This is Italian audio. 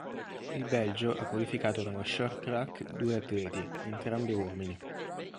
Il Belgio ha qualificato nello short track due atleti, entrambi uomini.